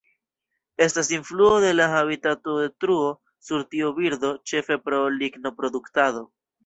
Estas influo de la habitatodetruo sur tiu birdo, ĉefe pro lignoproduktado.